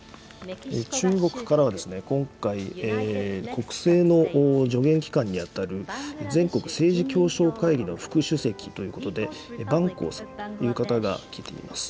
中国からは今回、国政の助言機関に当たる、全国政治協商会議の副主席ということで、万鋼さんという方が出ています。